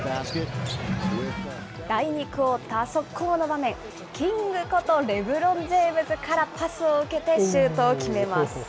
第２クオーター、速攻の場面、キングことレブロン・ジェームズからパスを受けてシュートを決めます。